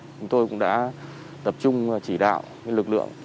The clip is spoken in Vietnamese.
chúng tôi cũng đã tập trung chỉ đạo lực lượng